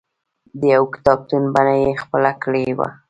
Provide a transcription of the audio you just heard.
د یوه کتابتون بڼه یې خپله کړې وه.